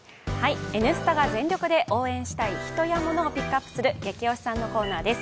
「Ｎスタ」が全力で応援したい人やモノをピックアップする「ゲキ推しさん」のコーナーです